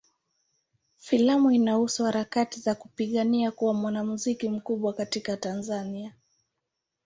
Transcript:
Filamu inahusu harakati za kupigania kuwa mwanamuziki mkubwa katika Tanzania.